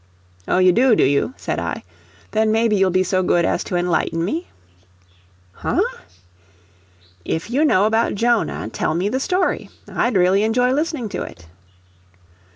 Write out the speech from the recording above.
"Oh, you do, do you?" said I. "Then maybe you'll be so good as to enlighten me?" "Huh?" "If you know about Jonah, tell me the story; I'd really enjoy listening to it."